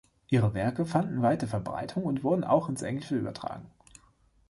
Ihre Werke fanden weite Verbreitung und wurden auch ins Englische übertragen.